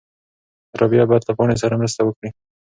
رابعه باید له پاڼې سره مرسته وکړي.